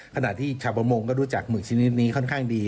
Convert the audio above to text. ขณะที่ชาวประมงก็รู้จักหมึกชนิดนี้ค่อนข้างดี